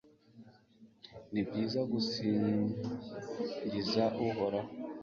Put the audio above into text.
ni byiza kugusingiza, uhoraho